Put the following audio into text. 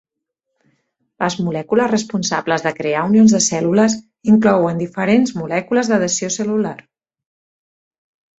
Les molècules responsables de crear unions de cèl·lules inclouen diferents molècules d'adhesió cel·lular.